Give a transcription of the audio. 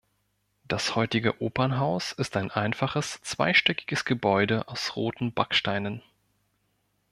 Das heutige Opernhaus ist ein einfaches, zweistöckiges Gebäude aus roten Backsteinen.